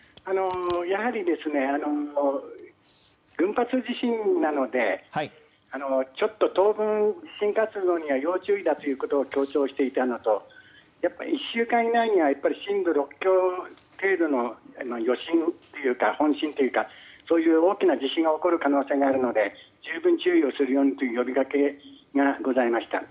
やはり群発地震なのでちょっと当分、地震活動には要注意だということを強調していたのと１週間以内は震度６強程度の余震というか本震というかそういう大きな地震が起きる可能性があるので十分注意するようにという呼びかけがございました。